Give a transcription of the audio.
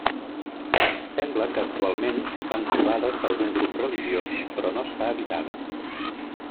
Sembla que actualment s'hi fan trobades d'algun grup religiós, però no està habitada.